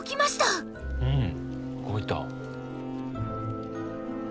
うん動いた。